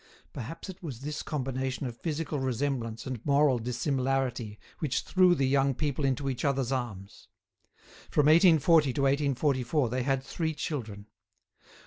Perhaps it was this combination of physical resemblance and moral dissimilarity which threw the young people into each other's arms. From 1840 to 1844 they had three children.